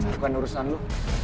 bukan urusan lo